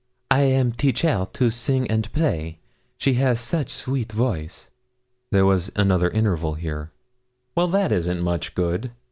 'I am teach her to sing and play she has such sweet voice! There was another interval here. 'Well, that isn't much good.